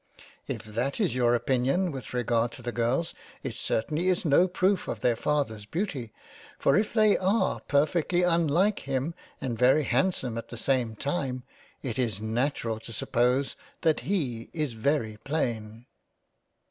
" If that is your opinion with regard to the girls it certainly is no proof of their Fathers beauty, for if they are perfectly unlike him and very handsome at the same time, it is natural to suppose that he is very plain."